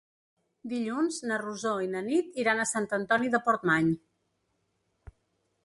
Dilluns na Rosó i na Nit iran a Sant Antoni de Portmany.